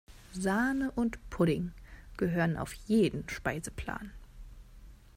Sahne und Pudding gehören auf jeden Speiseplan.